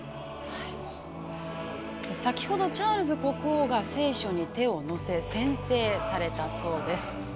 先ほどチャールズ国王が聖書に手を乗せ宣誓されたそうです。